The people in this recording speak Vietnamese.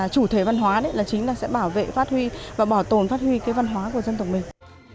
chủ thể văn hóa chính là sẽ bảo vệ phát huy và bảo tồn phát huy cái văn hóa của dân tộc mình